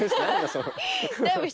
その。